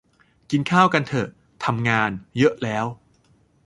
กินข้าวกันเถอะ ทำงาน ? เยอะ ? แล้ว ?